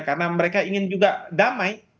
karena mereka ingin juga damai